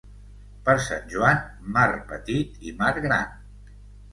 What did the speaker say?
Per Sant Joan, mar petit i mar gran.